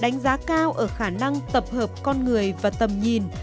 đánh giá cao ở khả năng tập hợp con người và tầm nhìn